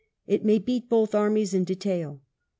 It may beat both armies in detail.